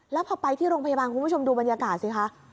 แล้วพอไปที่โรงพยาบาลคุณผู้ชมดูบรรยากาศสิคะ